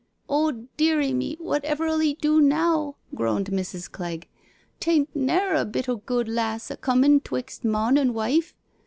''Oh, deary me, whatever 'U 'e do now," groaned Mrs. Cl^Sfit* " 'Tain't neer a bit o' good, lass, a'comin' 'twixt mon an' wife.